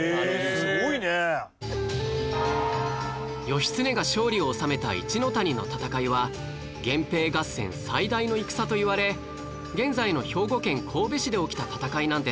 義経が勝利を収めた一ノ谷の戦いは源平合戦最大の戦といわれ現在の兵庫県神戸市で起きた戦いなんです